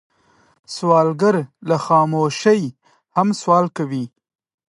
سوالګر له خاموشۍ هم سوال کوي